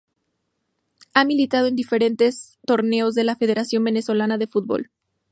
Ha militado en distintos torneos de la Federación Venezolana de Fútbol.